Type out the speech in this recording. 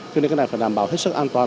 cho nên cái này phải đảm bảo hết sức an toàn